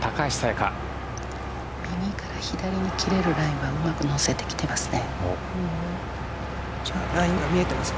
右から左に切れるラインはうまく乗せてきています。